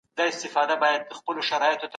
په ښه ځمکه کې بوټی ښه وده کوي.